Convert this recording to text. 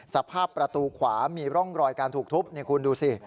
สภาพประตูขวามีร่องรอยการถูกทุบนี่คุณดูสิ